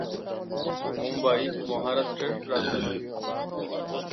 মুম্বই মহারাষ্ট্রের রাজধানী।